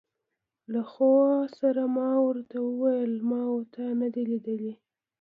له خو سره ما ور ته وویل: ما او تا نه دي لیدلي.